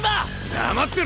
黙ってろ！